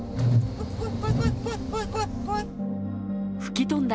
吹き飛んだ